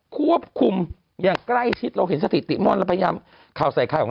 ควบคุมอย่างใกล้ชิดเราเห็นสถิติม่อนเราพยายามข่าวใส่ไข่ของ